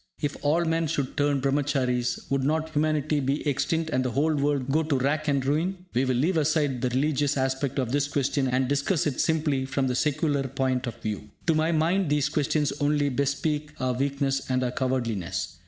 If all men should turn Brahmacharies, would not humanity be extinct, and the whole world go to rack and ruin?" We will leave aside the religious aspect of this question, and discuss it simply from the secular point of view. To my mind, these questions only bespeak our weakness and our cowardliness.